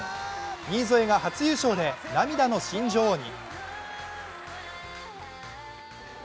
新添が初優勝で涙の新女王に。